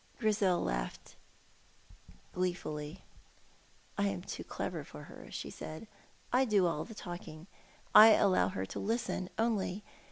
Grizel laughed gleefully. "I am too clever for her," she said. "I do all the talking. I allow her to listen only.